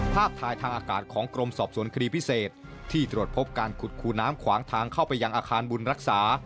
ทายทางอากาศของกรมสอบสวนคดีพิเศษที่ตรวจพบการขุดคูน้ำขวางทางเข้าไปยังอาคารบุญรักษา